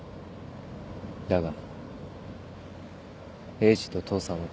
だがエイジと父さんは。